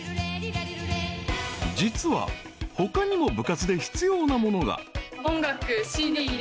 ［実は他にも部活で必要なものが］